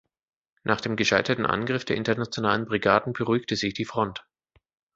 Nach dem gescheiterten Angriff der Internationalen Brigaden beruhigte sich die Front.